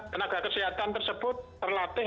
tenaga kesehatan tersebut terlatih